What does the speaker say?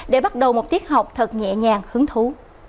để bắt đầu một tiết học thật nhẹ nhàng hứng thú